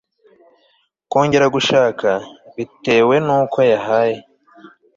kongera gushaka, bitewe n'uko yahaye